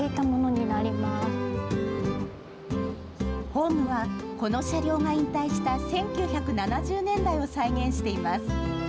ホームは、この車両が引退した１９７０年代を再現しています。